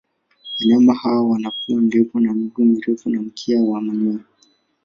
Wanyama hawa wana pua ndefu na miguu mirefu na mkia wa manyoya.